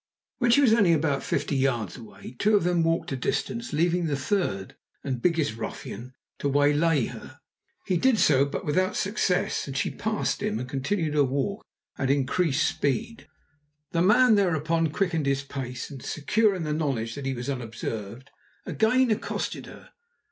When she was only about fifty yards away, two of them walked to a distance, leaving the third and biggest ruffian to waylay her. He did so, but without success; she passed him and continued her walk at increased speed. The man thereupon quickened his pace, and, secure in the knowledge that he was unobserved, again accosted her.